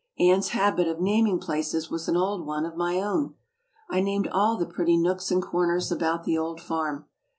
Anne's habit of namitig places was an old one of my own. I named all the pretty nooks and comers about the old farm.